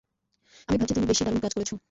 আমি ভাবছি তুমি বেশি দারুণ কাজ করেছো।